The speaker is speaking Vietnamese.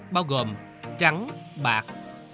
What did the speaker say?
bao gồm trắng bạc